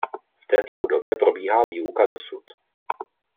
V této budově probíhá výuka dosud.